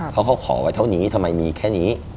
เพราะเขาขอไว้เท่านี้ทำไมมีแค่นี้